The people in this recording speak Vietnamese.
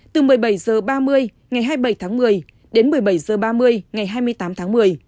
từ một mươi bảy h ba mươi ngày hai mươi bảy tháng một mươi đến một mươi bảy h ba mươi ngày hai mươi tám tháng một mươi